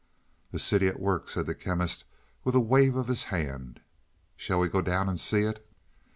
"A city at work," said the Chemist with a wave of his hand. "Shall we go down and see it?"